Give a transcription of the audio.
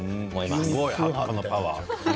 すごいハッカのパワー。